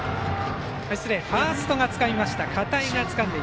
ファースト、片井がつかみました。